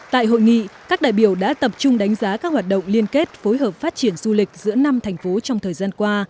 tại hội nghị các đại biểu đã tập trung đánh giá các hoạt động liên kết phối hợp phát triển du lịch giữa năm thành phố trong thời gian qua